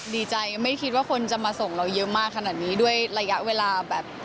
ดีใจไม่คิดว่าคนจะมาส่งเราเยอะมากขนาดนี้ด้วยระยะเวลาแบบ